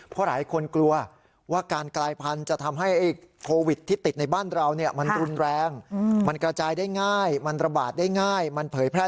ซึ่งความคิดให้ได้ง่ายนะฮะ